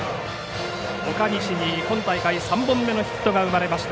岡西に今大会３本目のヒットが生まれました。